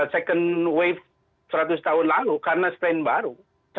second wave seratus tahun lalu karena strain baru